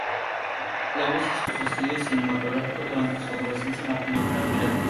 Lewis hizo sus estudios cinematográficos durante su adolescencia, en la película "Piratas".